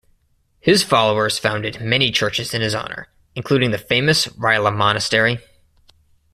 His followers founded many churches in his honor, including the famous Rila Monastery.